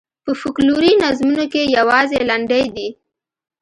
په فوکلوري نظمونو کې یوازې لنډۍ دي.